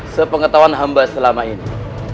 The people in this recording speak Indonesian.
sepengetahuan hamba selama ini